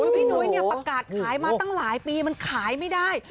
พี่นุ้ยประกาศขายมาตั้งหลายปีมันขายไม่ได้